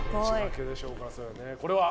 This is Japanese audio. これは？